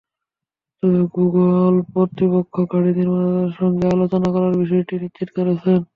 তবে গুগল কর্তৃপক্ষ গাড়ি নির্মাতাদের সঙ্গে আলোচনা করার বিষয়টি নিশ্চিত করেছে।